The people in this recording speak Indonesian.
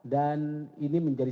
dan ini menjadi